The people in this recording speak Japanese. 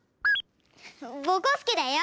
ぼこすけだよ。